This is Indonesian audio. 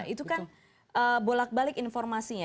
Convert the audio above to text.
itu kan bolak balik informasinya